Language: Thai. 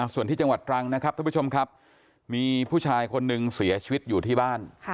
ส่วนที่จังหวัดตรังนะครับท่านผู้ชมครับมีผู้ชายคนหนึ่งเสียชีวิตอยู่ที่บ้าน